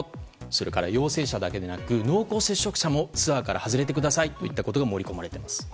それから陽性者だけではなく濃厚接触者もツアーから外れてくださいといったことが盛り込まれます。